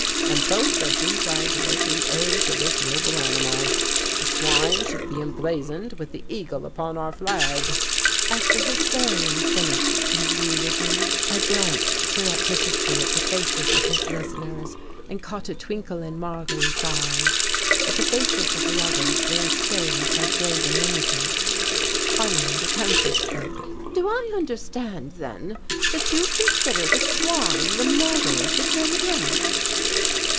And both of these ideas we owe to this noble animal. The swine should be emblazoned with the eagle upon our flag." As the Historian finished his eulogy, I glanced surreptitiously at the faces of his listeners, and caught a twinkle in Marguerite's eyes; but the faces of the others were as serious as graven images. Finally the Countess spoke: "Do I understand, then, that you consider the swine the model of the German race?"